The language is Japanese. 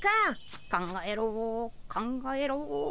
考えろ考えろ。